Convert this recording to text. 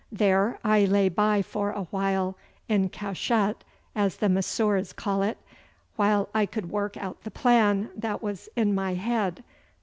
There I lay by for a while, en cachette, as the Messieurs call it, while I could work out the plan that was in my head.